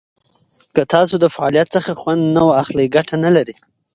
که تاسو د فعالیت څخه خوند نه واخلئ، ګټه نه لري.